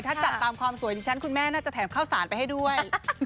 ถ้าจัดตามความสวยดิฉันคุณแม่น่าจะแถมข้าวสารไปให้ด้วย